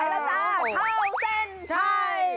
แล้วจ้าเข้าเส้นชัย